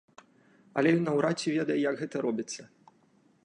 Але ён наўрад ці ведае, як гэта робіцца.